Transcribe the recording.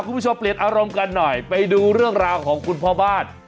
คุณผู้ชมเปลี่ยนอารมณ์กันหน่อยไปดูเรื่องราวของคุณพ่อบ้าน